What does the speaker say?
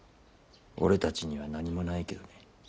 俺たちには何もないけどね。